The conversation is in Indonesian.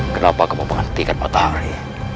kenapa kamu menghentikan matahari